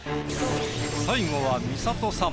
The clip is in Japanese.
最後は美里さん。